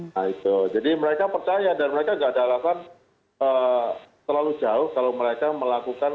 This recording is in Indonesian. nah itu jadi mereka percaya dan mereka tidak ada alasan terlalu jauh kalau mereka melakukan